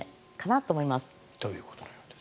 ということのようです。